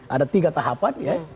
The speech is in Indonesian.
ada tiga tahapan ya